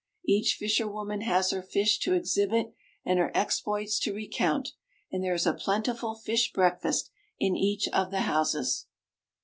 Each fisherwoman has her fish to exhibit, and her exploits to recount; and there is a plentiful fish breakfast in each of the houses.